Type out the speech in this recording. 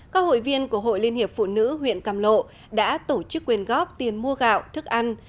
các hội viên của hội liên hiệp phụ nữ huyện càm lộ đã tổ chức quyền góp tiền mua gạo thức ăn